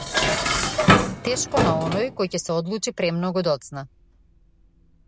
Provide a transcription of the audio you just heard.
Тешко на оној кој ќе се одлучи премногу доцна.